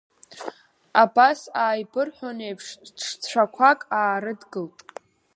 Абас ааибырҳәон еиԥш ҽцәақәак аарыдгылт.